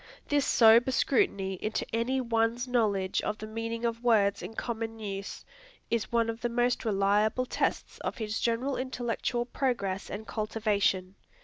This sober scrutiny into any one's knowledge of the meaning of words in common use, is one of the most reliable tests of his general intellectual progress and cultivation.